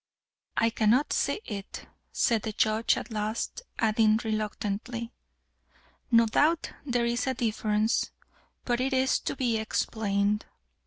"I cannot see it," said the Judge at last; adding reluctantly, "No doubt there is a difference, but it is to be explained."